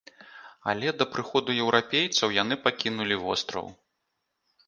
Але да прыходу еўрапейцаў яны пакінулі востраў.